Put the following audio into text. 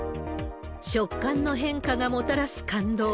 食感の変化がもたらす感動。